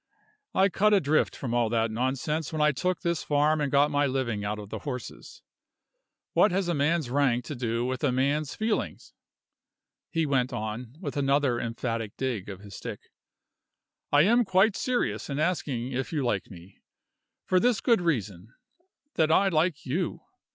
I cut adrift from all that nonsense when I took this farm and got my living out of the horses. What has a man's rank to do with a man's feelings?" he went on, with another emphatic dig of his stick. "I am quite serious in asking if you like me for this good reason, that I like you.